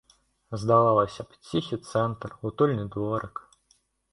Здавалася б, ціхі цэнтр, утульны дворык.